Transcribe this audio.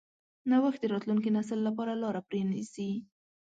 نوښت د راتلونکي نسل لپاره لاره پرانیځي.